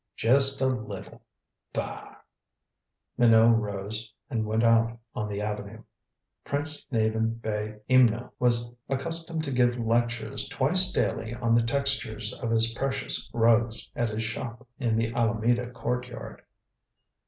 Just a little! Bah! Minot rose and went out on the avenue. Prince Navin Bey Imno was accustomed to give lectures twice daily on the textures of his precious rugs, at his shop in the Alameda courtyard.